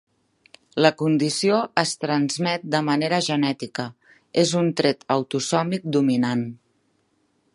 La condició es transmet de manera genètica, és un tret autosòmic dominant.